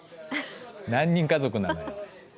何人家族なのよ。